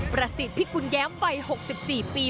ประสิทธิพิกุลแย้มวัย๖๔ปี